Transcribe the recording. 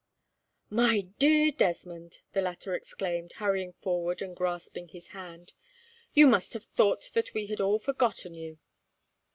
"My dear Desmond," the latter exclaimed, hurrying forward and grasping his hand, "you must have thought that we had all forgotten you."